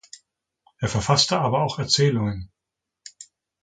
Er verfasste aber auch Erzählungen.